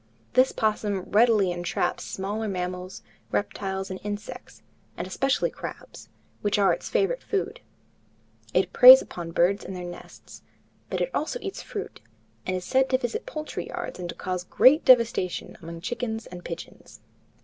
This opossum readily entraps smaller mammals, reptiles, and insects, and especially crabs, which are its favorite food. It preys upon birds and their nests, but it also eats fruit, and is said to visit poultry yards and to cause great devastation among chickens and pigeons.